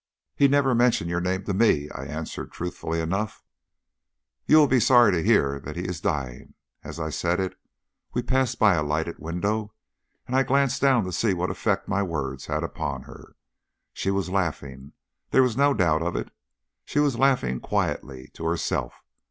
"He never mentioned your name to me," I answered, truthfully enough. "You will be sorry to hear that he is dying." As I said it we passed by a lighted window, and I glanced down to see what effect my words had upon her. She was laughing there was no doubt of it; she was laughing quietly to herself.